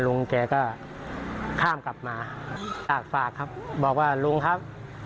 ลุงแกก็ข้ามกลับมาฝากครับบอกว่าลุงครับ